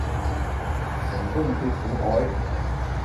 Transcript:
成功脫苦海